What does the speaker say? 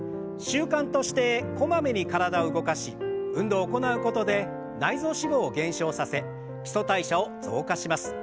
習慣としてこまめに体を動かし運動を行うことで内臓脂肪を減少させ基礎代謝を増加します。